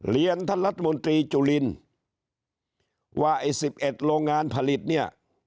เรียนท่านรัฐมนตรีจุลินว่าไอ้๑๑โรงงานผลิตเนี่ย